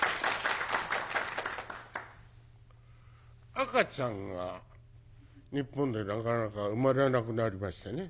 赤ちゃんが日本でなかなか生まれなくなりましたね。